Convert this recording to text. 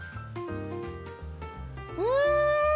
うん！